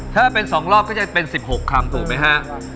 ถ้าเป็น๒รอบก็จะเป็น๑๖คำถูกไหมฮะ